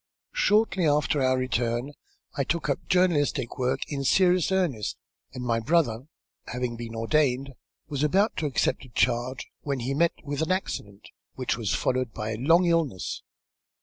"Shortly after our return I took up journalistic work in serious earnest, and my brother, having been ordained, was about to accept a charge when he met with an accident which was followed by a long illness.